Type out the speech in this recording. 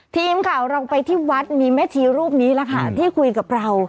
ทีมข่าวเราไปที่วัดมีแม่ชีรูปนี้แหละค่ะที่คุยกับเรา